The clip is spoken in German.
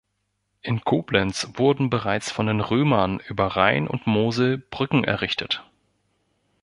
In Koblenz wurden bereits von den Römern über Rhein und Mosel Brücken errichtet.